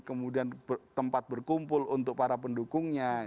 kemudian tempat berkumpul untuk para pendukungnya